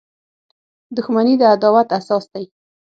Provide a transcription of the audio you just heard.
• دښمني د عداوت اساس دی.